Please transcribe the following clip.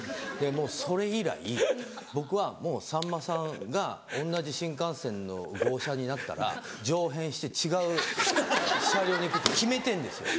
もうそれ以来僕はもうさんまさんが同じ新幹線の号車になったら乗変して違う車両に行くって決めてるんですよ。